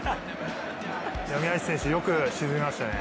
宮市選手、よく沈めましたね。